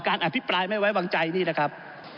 อภิปรายไม่ไว้วางใจนี่นะครับ